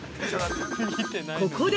ここで！